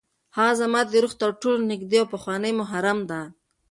هغه زما د روح تر ټولو نږدې او پخوانۍ محرمه ده.